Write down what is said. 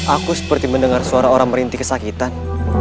aku seperti mendengar suara orang merintih kesakitan